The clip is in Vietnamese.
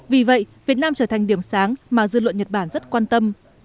vì vậy việt nam trở thành điểm sáng mà dư luận nhật bản rất quan tâm